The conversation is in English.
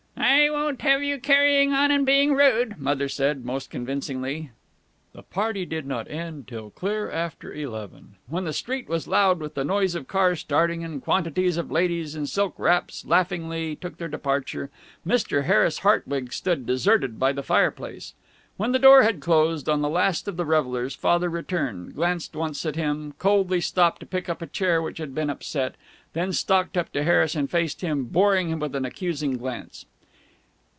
"I won't have you carrying on and being rude," Mother said, most convincingly. The party did not end till clear after eleven. When the street was loud with the noise of cars starting, and quantities of ladies in silk wraps laughingly took their departure, Mr. Harris Hartwig stood deserted by the fireplace. When the door had closed on the last of the revelers Father returned, glanced once at him, coldly stopped to pick up a chair which had been upset, then stalked up to Harris and faced him, boring him with an accusing glance.